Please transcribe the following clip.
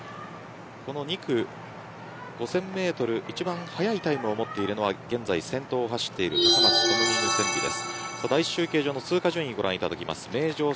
この２区５０００メートル一番速いタイムを持っているのは現在先頭で走っている高松智美ムセンビです。